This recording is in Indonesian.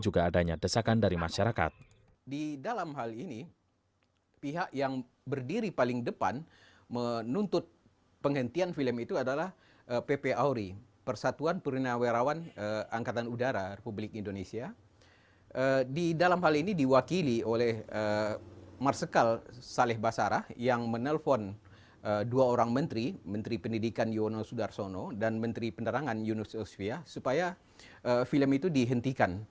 konten kekerasan juga adanya desakan dari masyarakat